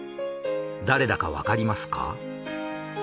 誰だかわかりますか？